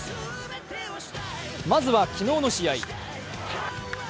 まずは昨日の試合。